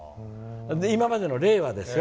今までの例はですよ。